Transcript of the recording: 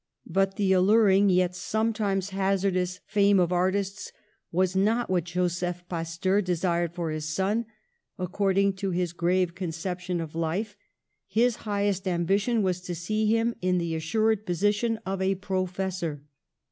But the alluring, yet sometimes hazardous, fame of artists was not what Joseph Pasteur desired for his son; ac cording to his grave conception of life, his highest ambition was to see him in the assured position of a professor.